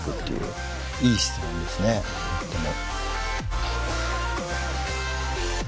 いい質問ですねとても。